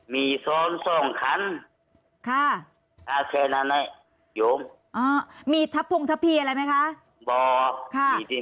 มีซ้อนสองขันค่ะอ่ามีทัพพุงทัพพี่อะไรไหมคะบอกค่ะ